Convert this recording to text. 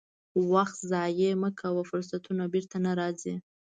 وخت ضایع مه کوه، فرصتونه بیرته نه راځي.